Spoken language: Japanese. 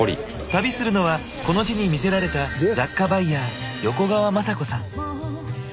旅するのはこの地に魅せられた雑貨バイヤー横川雅子さん。